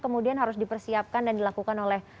kemudian harus dipersiapkan dan dilakukan oleh